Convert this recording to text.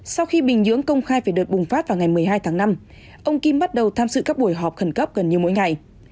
sau khi bình nhưỡng công khai về đợt bùng phát vào ngày một mươi hai tháng năm ông kim bắt đầu tham dự các buổi họp khẩn cấp gần như mỗi ngày